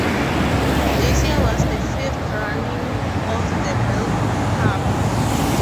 This year was the fifth running of the Melbourne Cup.